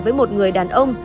với một người đàn ông